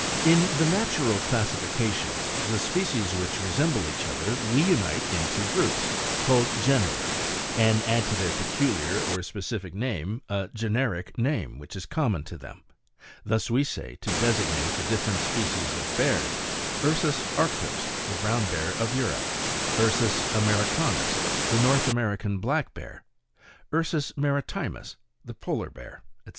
In the natural classifications, the species which resemble each other, we unite into groups, called genera, and add to their peculiar or specific name a generic name which is common to them : thus, we say, to desig nate the different species of bears, URSUS arctos, (the brown bear of Europe); URSUS Americanus, (the North American black bear); URSUS maritimus, (the polar bear, &c.)